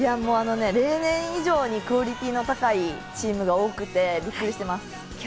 例年以上にクオリティーの高いチームが多くてびっくりしてます。